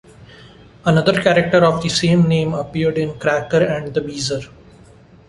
Another character of the same name appeared in Cracker and The Beezer.